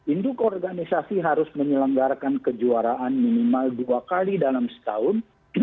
induk organisasi harus menyelenggarakan kejuaraan minimal dua kali dalam setahun